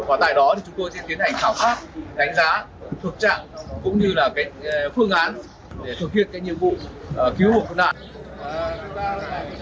các phương án để thực hiện nhiệm vụ cứu hộ quân nạn